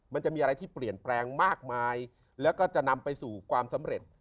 มันจะมีอะไรที่เปลี่ยนแปลงมากมายแล้วก็จะนำไปสู่ความสำเร็จ